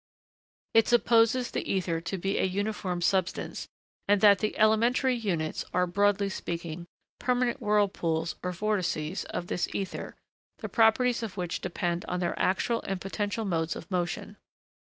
It supposes the ether to be a uniform substance, and that the 'elementary' units are, broadly speaking, permanent whirlpools, or vortices, of this ether, the properties of which depend on their actual and potential modes of motion.